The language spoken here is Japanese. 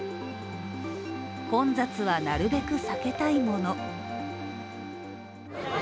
混雑はなるべく避けたいもの。